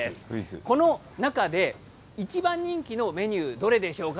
この中で一番人気のメニューどれでしょうか？